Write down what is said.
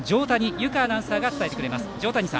有香アナウンサーに伝えてもらいます。